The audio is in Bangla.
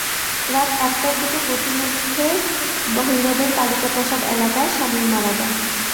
রাত একটার দিকে পথিমধ্যে ভৈরবের কালিকা প্রসাদ এলাকায় শামীম মারা যান।